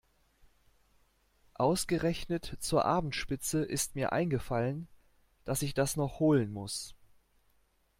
Ausgerechnet zur Abendspitze ist mir eingefallen, dass ich das noch holen muss.